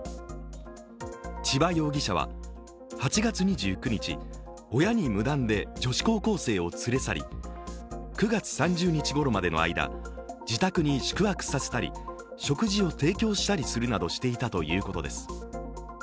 千葉容疑者は８月２９日、親に無断で女子高校生を連れ去り９月３０日ごろまでの間、自宅に宿泊させたり食事を提供したりするなどしていたということです。